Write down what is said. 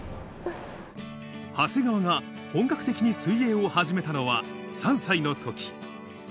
長谷川が本格的に水泳を始めたのは３歳のとき。